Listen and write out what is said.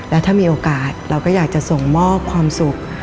และถ้ามีโอกาสเราก็อยากจะส่งมอบความสุข